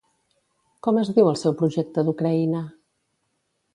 Com es diu el seu projecte d'Ucraïna?